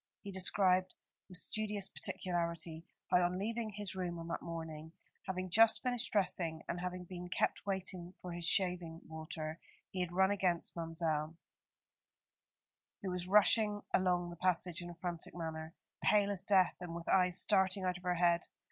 He described, with studious particularity, how on leaving his room on that morning, having just finished dressing, and having been kept waiting for his shaving water, he had run against Ma'mselle, who was rushing along the passage in a frantic manner, pale as death, and with eyes starting out of her head.